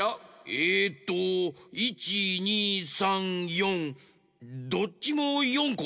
えっと１２３４どっちも４こ？